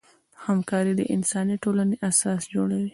همکاري د انساني ټولنې اساس جوړوي.